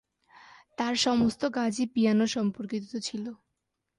তার সমস্ত কাজই পিয়ানো সম্পর্কিত ছিলো।